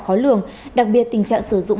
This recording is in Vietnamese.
khó lường đặc biệt tình trạng sử dụng